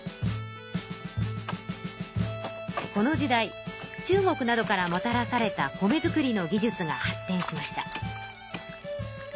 この時代中国などからもたらされた米作りの技術が発てんしました。